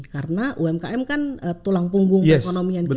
karena umkm kan tulang punggung ekonomi yang kita ya